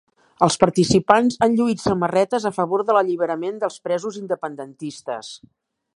Els participants han lluït samarretes a favor de l'alliberament dels presos independentistes.